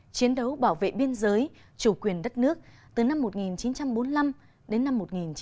chiến đấu bảo vệ biên giới chủ quyền đất nước từ năm một nghìn chín trăm bốn mươi năm đến năm một nghìn chín trăm bốn mươi năm